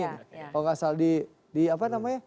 kalau nggak salah di apa namanya